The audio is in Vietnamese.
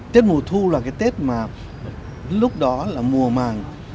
tết mùa thu là cái tết mà lúc đó là mùa màng